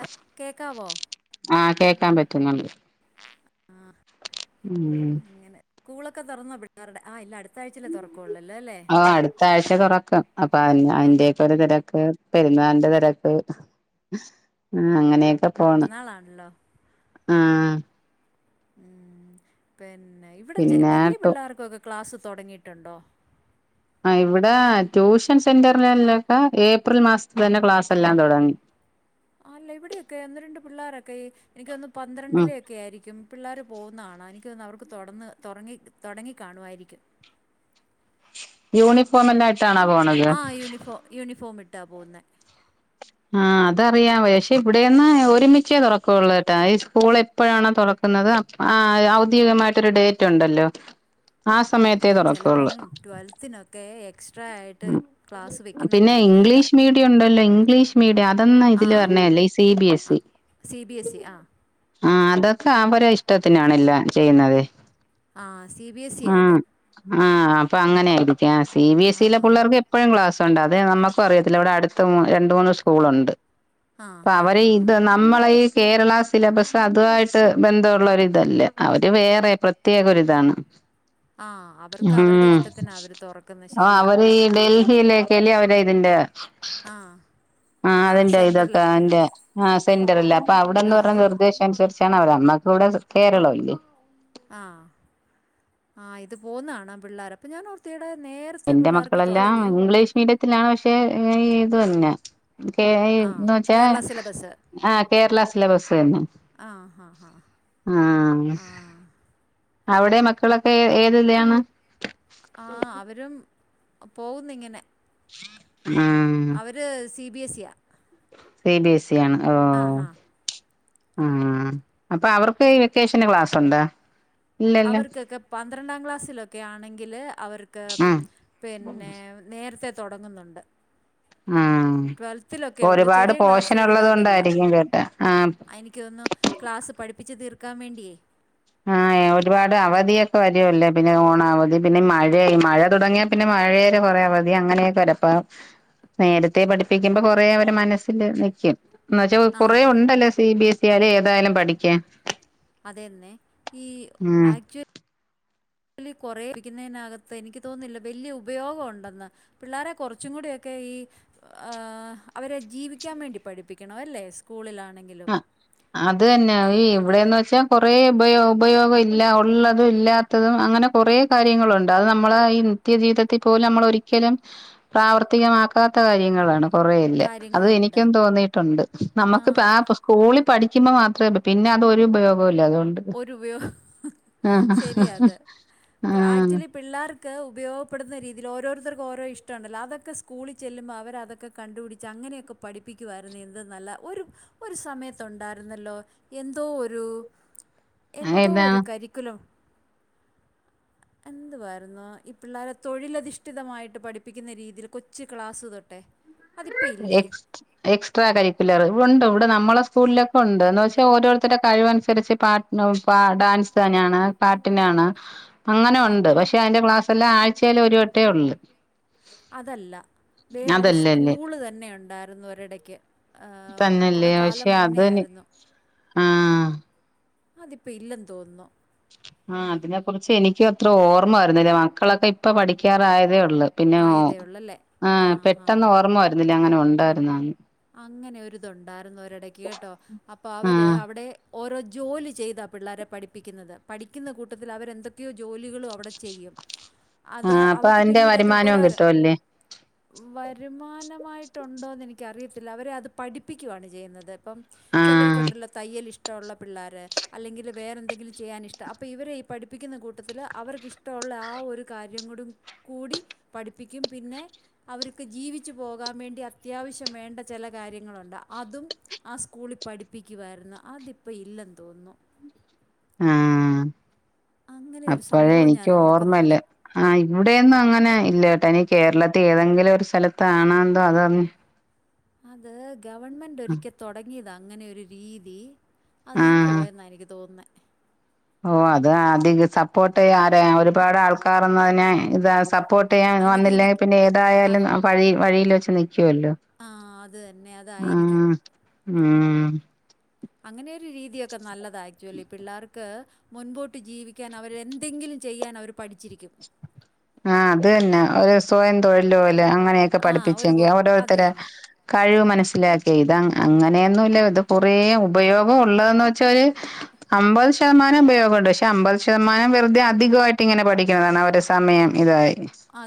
അത് കേക്കാവോ ആഹ് കേക്കാൻ പറ്റുന്നുണ്ട് ആ ഉം അങ്ങനെ സ്കൂളൊക്കെ തൊറന്നോ പിള്ളേരുടെ ആഹ് ഇല്ല അട്ത്താഴ്ച അല്ലെ തൊറക്കള്ളുല്ലെ അല്ലേ ആഹ് അടുത്ത ആഴ്ച തുറക്കും അപ്പൊ അ ആ അയിന്റെ ഒക്കെ ഒരു തെരക്ക് പെരുന്നാളിന്റെ തെരക്ക് ആഹ് അങ്ങനെയൊക്കെ പെര്ന്നാളാണല്ലോ ആഹ് ഉം പിന്നെ ഇവിടെ പിന്നെ വെല്യാ ട്ടു പിള്ളാർക്കൊക്കെ ക്ലാസ്സ് തൊടങ്ങിയിട്ടുണ്ടോ? ആഹ് ഇവിടെ ട്യൂഷൻ സെന്ററിലല്ലൊക്കെ ഏപ്രിൽ മാസത്തി തന്നെ ക്ലാസ് എല്ലാം തൊടങ്ങി ആ അല്ല ഇവിടെയൊക്കെ ഒന്ന് രണ്ട് പിള്ളോരൊക്കെ എനിക്കൊന്ന് ഉം പന്ത്രണ്ടില് ക്കെ ആയിരിക്കും പിള്ളേർ പോകുന്നത് കാണാം എനിക്ക് തോന്നുന്നത് അവർക്ക് തൊടന്ന് തൊറങ്ങി തൊടങ്ങി കാണുവായിരിക്കും യൂണിഫോം എല്ലാം അ ട്ടാണോ പോവ്ണത് ആ യൂണിഫോ യൂണിഫോമ് ഇട്ടാ പോകുന്നേ ആഹ് അതറിയാ വക്ഷെ ഇവിടെയന്ന് ഒരുമിച്ചേ തുറക്കുള്ളൂട്ടാ ഈ സ്കൂള് എപ്പൊഴാണോ തൊറക്കുന്നത് ആഹ് ഔദ്യോഗികമായിട്ടൊരു ഡേറ്റ് ഉണ്ടല്ലോ ആ ആ സമയത്തേ തുറക്കുള്ളൂ ചെലപ്പം ട്വൽത്തിനൊ ക്കെ എക്സ്ട്രാ ആയിട്ട് ഉം ക്ലാസ്സ് വെക്കുന്നുണ്ടായിരിക്കും അതാ മീഡിയ അതന്ന് ആ ഇതില് പറഞ്ഞെല്ല ഈ സി ബി ആ S E C B S C ആഹ് ആ അതൊക്കെ അവ ഇഷ്ടത്തിനാണല്ല ചെയ്യുന്നത് ആ സി ബി എസ് ഇ ആയെത് ആഹ് അപ്പാ അങ്ങനെ ആയിരിക്കാം സി ബി എസ് ആ ഇയിലെ പുള്ളോർക്ക് എപ് എപ്പൊഴും ക്ലാസ്സ്ണ്ട് അതെ നമുക്കറിയത്തില്ല ഇവിടെടുത്ത് രണ്ട് മൂന്ന് സ്കൂളുണ്ട് ആ അപ്പൊ ഹാ അവരെ ഹാ ഇത് എന്നാം മ്മ്ളെ ഈ കേരള സിലബസ് അതുമായിട്ട് ബന്ധവുള്ളരിതല്ല അവര് വേറെ പ്ര പ്രത്യേക ഒരുതാണ് ആഹ് അവർക്ക് അവര്ടെ ഇഷ്ടത്തിനാ അവര് തൊർ ആ അവര് ഈ ഡൽഹിയിലേക്കല്ലെ അവര് [unintelligible] ആ ആഹ് ആ ഇതിന്റെ അയ്തൊക്കെ സെൻട്രലാണല്ലോ അന്റെ ആ സെന്ററല്ലേ അപ്പൊ ആ അവ്ടെന്ന് [unintelligible] ഉദ്ദേശ അൻസരിച്ചാണ് അവര് അന്നാക്കെ ഇവ്ടെ കേരളവില്ലേ ആഹ് ആ ഇത് പോവുന്നകാണാ പിള്ളേര അപ്പോം ഞാൻ ഓർത്തേടെ നേരത്തെ പിള്ളാർക്ക് തൊടങ്ങിയോ ഇടത്തിലാണ് പക്ഷെ ഏയ് ഏതു അല്ലാ കെ എയ് ഐ ആ എന്ന് വെച്ചാ കേരള സിലബസ് ആഹ കേരള സിലബസ് അന്നെ ആഹ ഹാ ഹാ ആ ഹ് ആ അവ്ടെ മക്കളൊക്കെ ഏത് ലിയാണ് ആ അവരും പോവുന്നുങ്ങിനെ ആ ഒര് സി ബി എസിയാ സി ബി എസ് ഇ ആണ് ഓ അഹാ ആ അപ്പൊ അവർക്ക് ഈ വെക്കേഷന് ക്ലാസ്ണ്ടോ? അവർക്കൊക്കെ പന്ത്രണ്ടാം ക്ലാസ്സിലൊക്കെ ആണെങ്കിൽ അവർക്ക് ആ പിന്നേ നേരെത്തെ തൊടങ്ങുന്ന്ണ്ട് ആഹ് റ്റൊൽത്തിലൊക്കെ ഉള്ളൂ ചെറിയ ക്ലാസ്സുകളിലോട്ടില്ല കൊണ്ടായിരിക്കും കേട്ടാ ആ അയ് എനിക്ക് തോന്നുന്നു ക്ലാസ് പഠിപ്പിച്ച് തീർക്കാൻ വേണ്ടിയേ ആഹ ഒരുപാട് അവധിയൊക്കെ വരുവല്ലേ പിന്നെ ഓണവധി പിന്നെ മഴയായി മഴ തുടങ്ങിയ പിന്നെ മഴയേരെ കൊറേ അവധി. അങ്ങനെയൊക്കെ വരപ്പ നേരത്തെ പഠിപ്പിക്കുമ്പൊ കൊറേ അവരെ മനസ്സില് നിക്കും. എന്ന് വെച്ചാ ആ കൊറേ ഹാ ഉണ്ടല്ലോ സി ബി എസ് ഇ ആലും ഏതായാലും പഠിക്കാൻ. അതേന്നെ. ഈ ഉം ആക്ച്വ ലി കൊറേ ക്കിന്നതിനകത്ത് എനിക്ക് തോന്നുന്നില്ല വല്യ ഉപയോഗം ഉണ്ടെന്ന്. പിള്ളേരെ കൊറച്ചും കൂടിയൊക്കെ ഈ ഈഹ് അവരെ ജീവിക്കാൻ വേണ്ടി പഠിപ്പിക്കണവല്ലേ സ്കൂളിലാണെങ്കി അഹ്. അത് തന്നെ. ഈ ഇവിടെന്ന് വെച്ചാ കൊറേ ഉപയോ ഉപയോഗം ഇല്ല ഉള്ളതും ഇല്ലാത് ത്തതും അങ്ങനെ കുറേ കാര്യങ്ങളുണ്ട്. അത് നമ്മളെ ഈ നിത്യ ജീവിതത്തിൽ പോലും നമ്മൾ ഒരിക്കലും പ്രാവർത്തികമാക്കാത്ത കാര്യങ്ങളാണ് കുറെയെല്ലാം. അത് കാര്യങ്ങളുണ്ട് എനിക്കും തോന്നിയിട്ടുണ്ട്. നമുക്ക് ഇപ്പൊ ആ സ്കൂളിൽ പഠിക്കുമ്പോ മാത്രമേ, പിന്നെ അതൊരു ഉപയോഗവും ഇല്ല അതുകൊണ്ട്. ഒരുപയോ. ആഹ് ശരിയാത്. ഇപ്പൊ ആഹ് ആക്ച്വലി പിള്ളേർക്ക് ഉപയോഗപ്പെടുന്ന രീതീല്, ഓരോരുത്തർക്കും ഓരോ ഇഷ്ട ഉണ്ടല്ലൊ. അതൊക്കെ സ്കൂളിൽ ചെല്ലുമ്പോ അവരതൊക്കെ കണ്ടുപിടിച്ച് അങ്ങനെയൊക്കെ പഠിപ്പിക്കുവായിരുന്നു. എന്ത് നല്ല ഒരു ഒരു സമയത്തുണ്ടായിരുന്നല്ലോ എന്തോ ഒരു എന്തോ ഒരു ഏതാണ് കരിക്കുലം എന്തുവായിരുന്നു ഈ പിള്ളേരെ തൊഴിലധിഷ്ഠിതമായിട്ട് പഠിപ്പിക്കുന്ന രീതീല് കൊച്ചു ക്ലാസ്സ് തൊട്ടെ എക്സ്റ്റ് എക്സ്ട്രാ കരിക്കുലറ്. ഉണ്ട് ഇവിടെ നമ്മടെ സ്കൂളിലൊക്കെ ഉണ്ട്. എന്ന് വെച്ചാൽ ഓരോരുത്തരുടെ കഴിവനുസരിച്ച് പാട് നോപ്പ ഡാൻസ് തന്നെയാണ് പാട്ടിനാണ്. അങ്ങനെ ആ ഉണ്ട്. പക്ഷെ അതിന്റെ ക്ലാസ്സെല്ലാ ആഴ്ചേൽ ഒരു വട്ടേ ഉള്ളൂ. അതല്ല. വേറൊരു സ്കൂള് തന്നെ ഉണ്ടായിരുന്നു ഒരിടക്ക് ഈഹ് കൊറെ തന്നല്ലേ കാലം പക്ഷെ അതിന് മുന്നെയായിരുന്നു. ആഹ് അതിപ്പ ഇല്ലെന്ന് തോന്നുന്നു. ആഹ് അതിനെക്കുറിച്ച് എനിക്കു അത്ര ഓർമ്മ വരുന്നില്ല. മക്കളൊക്കെ ഇപ്പ പഠിക്കാറായതേ ഇള്ളു. പിന്നെ ഓ, ആയതേ ഉള്ളല്ലേ? ആഹ് ആഹാ. പെട്ടെന്ന് ഓർമ്മ വരുന്നില്ല അങ്ങനെ ഉണ്ടായിരുന്നു എന്ന്. അങ്ങനെ ഒരിതുണ്ടായിരുന്നു ഒരെടയ്ക്ക് കേട്ടോ. അപ്പൊ അവര് ആഹ് അവിടെ ഓരോ ജോലി ചെയ്താ പിള്ളേരെ പഠിപ്പിക്കുന്നത്. പഠിക്കുന്ന കൂട്ടത്തിൽ അവരെന്തൊക്കെയോ ജോലികളും അവിടെ ചെയ്യും. അത് ആഹ് അപ്പൊ അവർക്ക് അതിന്റെ പിന്നീട് അത് വരുമാനവും ഉപകാര കിട്ടുവല്ലേ വരുമാനമായിട്ടുണ്ടോന്ന് എനിക്കറിയത്തില്ല. അവരെ അത് പഠിപ്പിക്കുവാണ് ചെയ്യുന്നത്. ഇപ്പം ആഹ് ചിലർക്കൊണ്ടല്ലൊ തയ്യലിഷ് ടൊള്ള പിള്ളേര്. അല്ലെങ്കിൽ വേറെന്തെങ്കിലും ചെയ്യാനിഷ്ടം. അപ്പോൾ ഇവരെ ഈ പഠിപ്പിക്കുന്ന കൂട്ടത്തില് അവർക്ക് ഇഷ് ടൊള്ള ആ ഒരു കാര്യം കൂടും കൂടി പഠിപ്പിക്കും പിന്നെ അവർക്ക് ജീവിച്ചു പോകാൻ വേണ്ടി അത്യാവശ്യം വേണ്ട ചില കാര്യങ്ങളുണ്ട്, അതും ആ സ്കൂളിൽ പഠിപ്പിക്കുവായിരുന്നു. അതിപ്പം ഇല്ലെന്ന് തോന്നു. ആഹ് അങ്ങനെ ഒരു അപ്പഴേ സംഭവം ഞാൻ എനിക്ക് ഓർക്കുന്നുണ്ട് ഓർമ്മല്ല ആഹ് ഇവിടെയൊന്നു അങ്ങനെ ഇല്ലട്ടാ. ഇനി കേരളത്തി ഏതെങ്കിലും ഒരു സ്ഥലത്താണോ എന്തോ അതോ അങ് അത് ഗവൺമെന്റ് ഒരിക്ക തൊടങ്ങിയതാ അങ്ങനെ ഒരു രീതി അത് നിന്നു ആഹ് പോയെന്നാ എനിക്ക് തോന്നുന്നെ. ഓഹ് അത് അധിക സപ്പോർട്ട് ചെയ്യ ആരെ ഒരുപാട് ആൾക്കാരൊന്നു അതിനെ ഇത് സപ്പോർട് ട്ടെയ്യാൻ അനുകൂലി വന്നില്ലെങ്കി പിന്നെ ഏതായാലും വഴി വഴിയിൽ വെച്ച് നിക്കുവല്ലോ. ആഹ് അത് തന്നെ. അതായിരിക്കും. ആഹ് ഉം. അങ്ങനെയൊരു രീതിയൊക്കെ നല്ലതാ ആക്ച്വലി പിള്ളേർക്ക് മുൻപോട്ട് ജീവിക്കാൻ അവരെ എന്തെങ്കിലും ചെയ്യാൻ അവർ പഠിച്ചിരിക്കും ആ അത് തന്നെ ഒരു സ്വയം തൊഴില് പോല് അങ്ങനെയൊക്കെ ആ ഒരു പഠിപ്പിച്ചെങ്കി പോ- അത് ഓരോരുത്തരെ തന്നെ കഴിവ് മനസ്സിലാക്കി ഇത് അങ്ങനെയൊന്നുല്ല ഇത് കുറെ ഉപയോഗം ഉള്ളതെന്ന് വെച്ചാ ഒരു അമ്പ [unintelligible] ശതമാനം ഉപയോഗണ്ട് പക്ഷെ അമ്പത് ശതനം വെറുതെ അധികമായിട്ട് ഇങ്ങനെ പഠിക്കുന്നതാണ് അവര് സമയം ഇതായി അ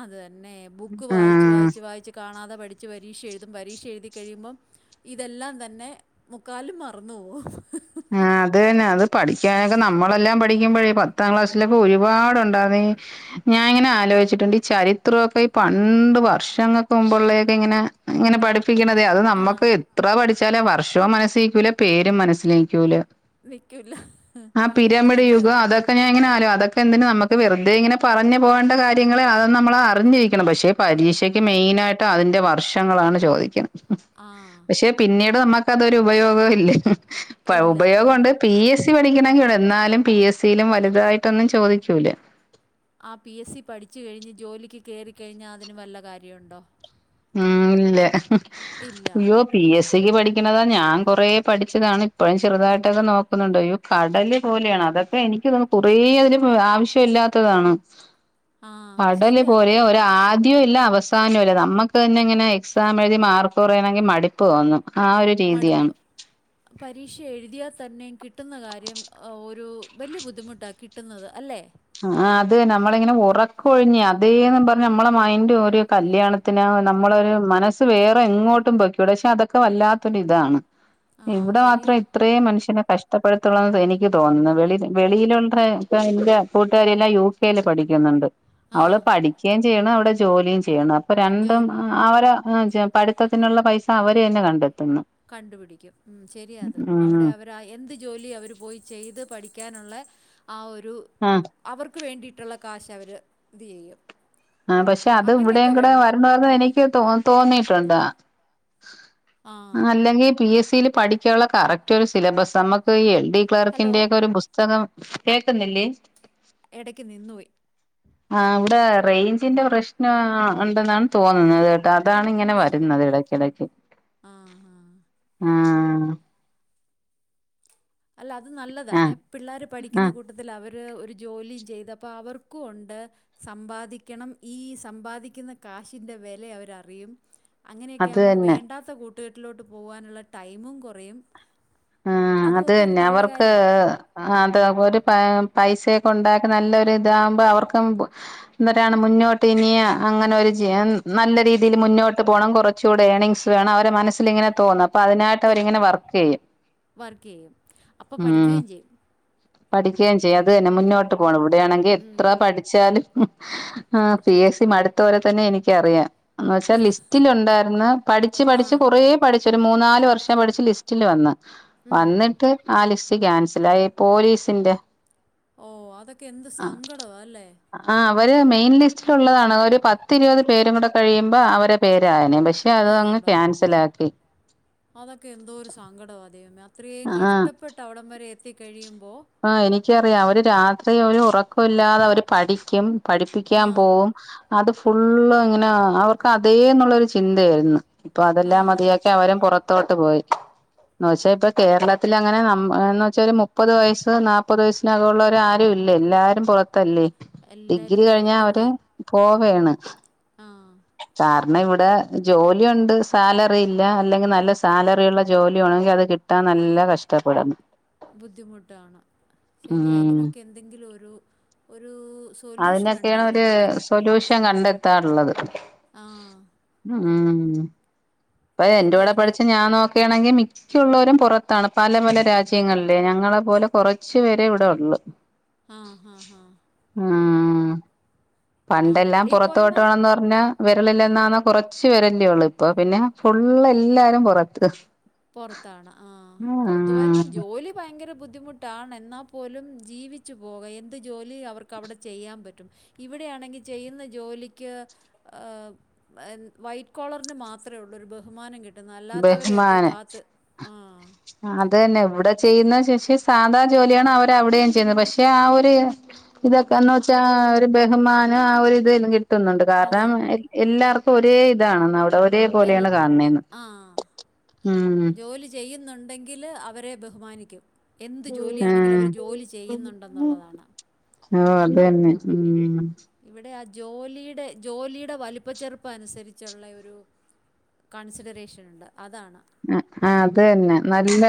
അത് തന്നെ ബുക്ക് വായിച്ച് ആഹ് വായിച്ച് വായിച്ച് കാണാതെ പഠിച്ച് പരീക്ഷ എഴുതും പരീക്ഷ എഴുതി കഴുമ്പം ഇതെല്ലാം തന്നെ മുക്കാലും മറന്നു പോവും ആ അത് തന്നെ അത് പഠിക്കാനൊക്കെ നമ്മളെല്ലാം പഠിക്കുമ്പഴേ പത്താം ക്ലാസ്സിലൊപ്പോ ഒരുപാട്ണ്ടാ നീ ഞാൻ ഇങ്ങനെ ആലോചിച്ചിട്ടുണ്ട് ഈ ചരിത്രൊക്കെ ഈ പണ്ട് വർഷങ്ങൾക്ക് മുമ്പുള്ളൊക്കെ ഇങ്ങനെ ഇങ്ങനെ പഠിപ്പ പ്പിക്ക്ണതേ അത് ആ നമുക്ക് എത്ര പഠിച്ചാലേ വർഷവും മനസ്സിലേക്കൂല്ല പേരും മനസ്സിലേ ക്കൂല നിൽക്കില്ല ആ പിരമിഡ് ശരിയാ യുഗം അതൊ പനെങ്ങനെ ആലോ അതൊക്കെ എന്തിനും നമുക്ക് വെറുതെ ഇങ്ങനെ പറഞ്ഞ് പോണ്ട കാര്യങ്ങള് അത് നമ്മൾ അറിഞ്ഞിരിക്കണം പക്ഷേ പരീക്ഷക്ക് മെയിന ആയിട്ട് അതിന്റെ വർഷങ്ങളാണ് ചോദിക്ക ആഹ് പക്ഷെ പിന്നീട് നമുക്ക് അതൊരു ഉപയോഗം ഇല്ല ഇല്ല ആ ഉപയോഗംണ്ട് പി എസ് സി പഠിക്കണമെങ്കിൽ എന്നാലും പി എസ് സിയിലും വലുതായിട്ടൊന്നും ചോദിക്കൂലേ ആഹ് പി എസ് സി പഠിച്ചു കഴിഞ്ഞ് ജോലിക്ക് കേറിക്കഴിഞ്ഞാൽ അതിന് വല്ല കാര്യണ്ടോ ഉം ഇല്ല ഇല്ല അയ്യോ പി എസ് സിക്ക് പഠിക്കണതാ ഞാൻ കൊറെേ പഠിച്ചതാണ് ഇപ്പഴും ചെറുതായിട്ടൊക്കെ നോക്കുന്നുണ്ടോയ്യോ കടല് പോലെയാണ് അതൊക്കെ എനിക്ക്ന്നും കുറേ അതിൽ ആവശ്യ ഇല്ലാത്തതാണ്. ആ കടല് ശരിയത് പോലെ ഒരാ ആദ്യവും ഇല്ല അവസാനവുംല്ല നമ്മക്ക് ഇ തെങ്ങനെ എക്സാം എഴുതി മാർക്ക് കുറയണെങ്കി മടിപ്പ് തോന്നും. ആ ഒരു രീതിയാണ് മടുപ്പ് പരീക്ഷ എഴുതിയാ തന്നെ കിട്ടുന്ന കാര്യം ആ ഒരു വലിയ ബുദ്ധിമുട്ടാ കിട്ടുന്നത് അല്ലേ ആഹ് അത് നമ്മളിങ്ങനെ ഉറക്കൊഴിഞ്ഞ് അതേന്ന് പർഞ് നമ്മളെ മൈന്റ് ഒരു കല്യാണ ത്തിന് നമ്മളൊരു മനസ്സ് വേറെ എങ്ങോട്ടും പോയ്ക്കൂട പക്ഷെ അതൊക്കെ വല്ലാത്തൊരു ഇതാണ്. ആ ഇവിടെ ശരിയാ മാത്രം ഇത്രേം മനുഷ്യനെ കഷ്ടപ്പെടുത്തുള്ളെന്ന് എനിക്ക് തോന്നുന്നത് വെളി വെളിയിലുള്ള എന്റെ കൂട്ടുകാരിയെല്ലാം യു കെൽ പഠിക്കുന്നുണ്ട് ആ അവള് പഠിക്കെ ചെയ്യ്ണ് അവിടെ ജോലിയും ചെയ്യ്ണ്. പ്പ രണ്ടും ജോലി അവരെ [unintelligible] പഠിത്തത്തിനുള്ള പൈസ അവര് തന്നെ കണ്ടെത്തുന്നു കണ്ടുപിടിക്കും ഉം ശെരിയാഅത് അവിടെ ഉം അവര് പ്രാ എന്ത് ജോലി അവര് പോയി ചെയ്ത് പഠിക്കാനൊള്ള ആഹ് ഒരു ആ അവർക്ക് വേണ്ടീട്ടുള്ള കാശ് അവര് ഇതെയ്യും ആഹ് പക്ഷെ അത് ഇവിടെം കൂടെ വരണ്ടന്ന് എനിക്ക് തോ തോന്നിട്ടുണ്ടോ? ആ അല്ലെങ്കിൽ പി എസ് സിൽ പഠിക്കാനുള്ള കറക്റ്റ് ഒരു സിലബസ് നമുക്ക് ഈ എൽ ഡി ഹലോ ക്ലർക്കിന്റെക്കെ ഒരു പുസ്തകം കേൾക്കുന്നില്ലേ എടക്ക് നിന്നുപോയി ആഹ് ഇവിടെ റേഞ്ചിന്റെ പ്രശ്നം ഉണ്ടെന്നാണ് തോന്നുന്നത് കെ അതാണ് ഇങ്ങനെ ആ വരുന്നത് എടക്കെടക്ക് ആ ആ ഉംഹ് അല്ല അത് ആ നല്ലതാണെ, പിള്ളാര് ആ പഠിക്കുന്ന കു സത്യത്തില് അവര് ഒരു ജോലി ചെയ്തപ്പോ അവർക്കും ഒണ്ട് സമ്പാദിക്കണം ഈ സമ്പാദിക്ക്ന്ന കാശിന്റെ വെല അവരറിയും. അങ്ങനെയൊക്കെ അത് ആവുമ്പോ തന്നെ വേണ്ടാത്ത കൂട്ടുകെട്ടിലോട്ട് പോവാനുള്ള ടൈമും കുറയും. ആഹ് അതുമൊക്കെ ഒരു അതന്നെ നല്ല അവർക്ക് കാര്യമാണ് ആഹ് അത്‌ ഓര് പൈ പൈസയൊക്കെ ഉണ്ടാക്കി ന്നല്ലൊരിതാവുമ്പോ അവർക്കും എന്തരാണ് മുന്നോട്ട് ഇനിയും അങ്ങനൊരു ജയം നല്ല രീതിൽ മുന്നോട്ട് പോണം കൊറ ച്ചൂടെ ഏണിങ്സ് വേണം അവര മനസ്സിലിങ്ങനെ തോന്നും അപ്പ അതിനായിട്ടിങ്ങനെ വർക്ക് ചെയ്യും വർക്കേയും ഉം പഠിക്കയും ചെയ്യാം അത് തന്നെ ഉം, മുന്നോട്ട് പോണം ഇവിടെയാണെങ്കി ഉം, എത്ര പഠി ച്ചാ ലും ആഹ് പി എസ് സി മടുത്തോരെ തന്നെ എനിക്കറിയാം എന്ന വച്ചാ ലിസ്റ്റില് ഉണ്ടായിരുന്നു പഠിച്ച് ആ പഠിച്ച് കൊറേ പഠിച്ചു ഒരു മൂന്നാല് വർഷം പഠിച്ച് ലിസ്റ്റില് വന്ന്. ഉം. വന്നിട്ട് ആ ലിസ്റ്റ് ക്യാൻസലായി പോലീസിന്റെ ഓ അതൊക്കെ എന്ത് സങ്കടവാ അല്ലേ ആഹ് അവര് മെയിൻ ലിസ്റ്റിലുള്ളതാണ് ഒരു പത്തി ഇരുപത് പേരും കൂടെ കഴിയുമ്പോ അവരെ പേരായേനെ പക്ഷേ അതുവങ്ങ് അയ്യോടാ ക്യാൻസലാക്കി അതൊക്കെ എന്തോര് സങ്കടവാ ദൈവമേ അത്രേം ആ കഷ്ടപ്പെട്ട് അവിടം വരെ എത്തി കഴിയുമ്പോ ആ എനിക്കറിയാം അവര് രാത്രി അവര് ഉറക്കവില്ലാതെ അവര് പഠിക്കും ആ പഠിപ്പിക്കാൻ പോവും അത് ഫുള്ള് ഇങ്ങനെ അവർക്ക് അതേന്നുള്ളരു ചിന്തയായിരുന്നു ഇപ്പൊ ആ അതെല്ലാം മതിയാക്കി. അവരും പുറത്തോട്ട് പോയി എന്നുവെച്ചാ ഇപ്പ കേരളത്തിലങ്ങനെ നം എന്ന് വച്ചാ ഒരു മുപ്പത് വയസ്സ് ഇപ്പൊ നാല്പ്പത് വയസിനകവുള്ളവര് ആരും ഇല്ല എല്ലാരും പുറത്തല്ലേ ഡിഗ്രി എല്ലാവരും കഴിഞ്ഞാ പുറത്തു അവര് പോയി പോവയാണ്. ആ കാരണവിടെ ജോലിയുണ്ട് സാലറില്ല അല്ലെങ്കിൽ നല്ല സാലറിള്ള ജോലിണെങ്കിൽ അത് കിട്ട ത്താ നല്ല കഷ്ടപ്പെടുന്നു ബുദ്ധിമുട്ടാണ്, ശരിയാ ഉം ഇതിനൊക്കെ എന്തെങ്കിലും ഒരു ഒരൂ അതിനൊക്കെണ് ഒര് സൊല്യൂഷൻ കണ്ടെത്താള്ളത് ആ ഉം അപ്പ എന്റെ ശരിയാ കൂടെ അതാ പഠിച്ച ഞാൻ ഓക്കെയാണെങ്കിൽ മി റ്റുള്ളോരും പുറത്താണ് പല പല രാജ്യങ്ങളിലേ ഞങ്ങളെ പോലെ കൊറച്ചു പേരെ ഇവിടെള്ളു ആഹ് [unintelligible] ഉം ആ പണ്ടെല്ലാം വെളിയിൽ പുറത്തോട്ട് പോയെന്നാ വാണംന്ന് പിന്നെ വിരലിലെണ്ണാവുന്ന കൊറച്ച് പേരല്ലേള്ളൂപ്പൊ പിന്നെ ഫുള്ള് എല്ലാരും പുറത്ത് പുറത്താണ് ആ പുറത്ത് പോയരുന്ന ഉം ജോ ലി ഭയങ്കര ബുദ്ധിമുട്ടാണ് എന്നാ പോലും ജീവിച്ചു പോക എന്ത് ജോലി അവർക്കവിടെ ചെയ്യാൻ പറ്റും ഇവിടെയാണെങ്കി ചെയ്യുന്ന ജോലിക്ക് അ വൈറ്റ് കോളറിന് മാത്രേ ഉള്ളൂ ഒരു ബഹുമാനം കിട്ടുന്ന അല്ലാത്തവരെ ആ നെ അതന്നെ ഇവിടെ ചെയ്യുന്ന ശേഷേ സാധാ ജോലിയാണ് അവര് അവിടെയും ചെയ്യുന്നത് പക്ഷെ ആ ഒരു ഇതൊക്കെന്ന് വെച്ചാ ഒരു ബഹുമാനം ആ ഒരു ഇതും കി ട്ടുന്നുണ്ട് അത് കാരണം എല്ലാർക്കും ഒരേ ഇതാണ് അവിടെ ഒരേ എൽ പോലേണ് കാണണെന്ന് ആ. ഉം ജോലി ചെയ്യുന്നുണ്ടെങ്കിൽ അവരെ ബഹുമാനിക്കും എന്ത് ജോലിയാണെങ്കിലും ആഹ് അവർ ജോലി ചെയ്യുന്നുണ്ടെന്നുള്ളതാണ് ഓഹ് അതന്നെ ഉം ഇവിടെ ആ ജോലിയുടെ ജോലിയുടെ വലിപ്പ ചെറുപ്പ അനുസരിച്ചുള്ള ഒരു കൺസിഡറേഷനുണ്ട് അതാണ് ആഹ് അതന്നെ നല്ല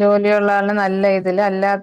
ജോലിയുള്ള ആള് നല്ല ഇതില് അല്ലാത്ത